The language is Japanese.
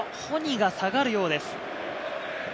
ホニが下がるようです。